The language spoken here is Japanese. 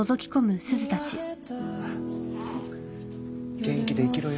元気で生きろよ。